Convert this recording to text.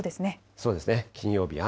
そうですね、金曜日、雨。